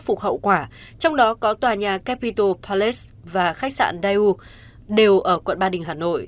phục hậu quả trong đó có tòa nhà capital palace và khách sạn dayu đều ở quận ba đình hà nội